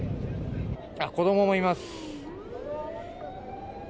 子供もいます。